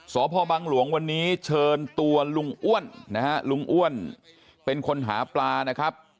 สพบังหลวงวันนี้เชิญตัวลุงอ้วนนะฮะลุงอ้วนเป็นคนหาปลานะครับ